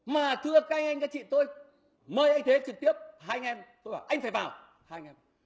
mà thưa các anh các chị tôi mời anh thế trực tiếp hai anh em tôi bảo anh phải vào hai anh em